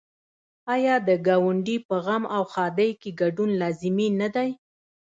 آیا د ګاونډي په غم او ښادۍ کې ګډون لازمي نه دی؟